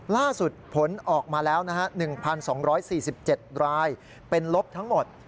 ล่าสุดผลออกมาแล้ว๑๒๔๗รายเป็นลบทั้งหมด